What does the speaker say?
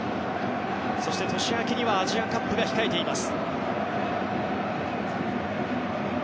そして、年明けにはアジアカップが控えています。